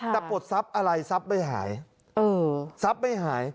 แต่ปลดซับอะไรซับไม่หายซับไม่หาย